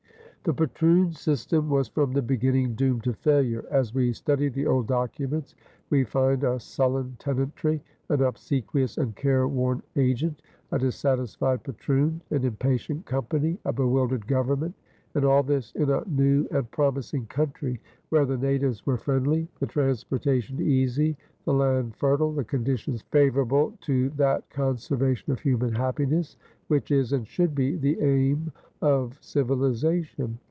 The patroon system was from the beginning doomed to failure. As we study the old documents we find a sullen tenantry, an obsequious and careworn agent, a dissatisfied patroon, an impatient company, a bewildered government and all this in a new and promising country where the natives were friendly, the transportation easy, the land fertile, the conditions favorable to that conservation of human happiness which is and should be the aim of civilization.